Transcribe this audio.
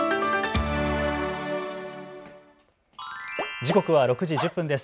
時刻は６時１０分です。